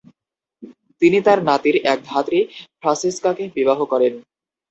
তিনি তার নাতির এক ধাত্রী ফ্রাসেসকাকে বিবাহ করেন।